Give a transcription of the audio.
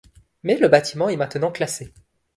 Mais le bâtiment est maintenant classé.